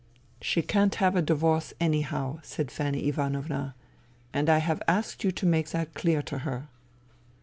" She can't have a divorce, anyhow," said Fanny Ivanovna. " And I have asked you to make that clear to her.'